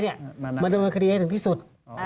มาดำเนินคดีให้ถึงที่สุด